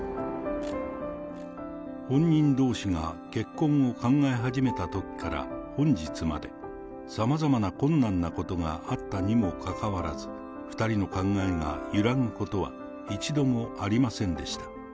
本人どうしが結婚を考え始めたときから本日まで、さまざまな困難なことがあったにもかかわらず、２人の考えが揺らぐことは一度もありませんでした。